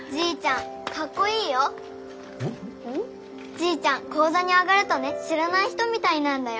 じいちゃん高座に上がるとね知らない人みたいなんだよ。